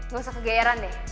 gausah kegayaran deh